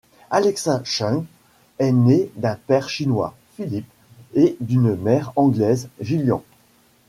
Alexa Chung est née d'un père chinois, Philip, et d'une mère anglaise, Gillian.